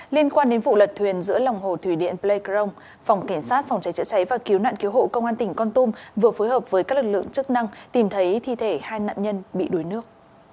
liên quan đến vụ lật thuyền giữa lòng hồ thủy điện pleikrong phòng cảnh sát phòng cháy chữa cháy và cứu nạn cứu hộ công an tỉnh con tum vừa phối hợp với các lực lượng chức năng tìm thấy thi thể hai nạn nhân bị đuối nước